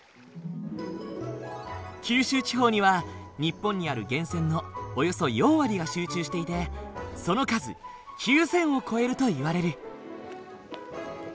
九州地方には日本にある源泉のおよそ４割が集中していてその数９，０００を超えるといわれる。